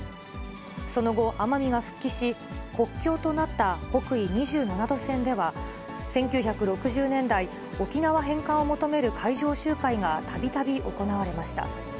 その後、奄美が復帰し、国境となった北緯２７度線では、１９６０年代、沖縄返還を求める海上集会がたびたび行われました。